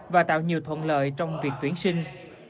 và đạt được lợi trong việc tuyển sinh